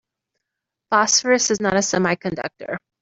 Phosphorus is not a semiconductor.